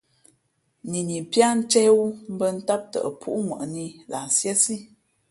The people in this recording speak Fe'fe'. Nini píá ncéhwú mbᾱ ntám tαʼ púʼŋwαʼnǐ lah nsíésí.